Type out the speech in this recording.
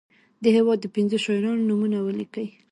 د هیواد د پنځو شاعرانو نومونه ولیکي.